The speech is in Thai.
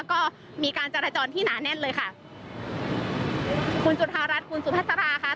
ก็มีการจราจรที่หนาแน่นเลยค่ะคุณจุธารัฐคุณสุภาษาราค่ะ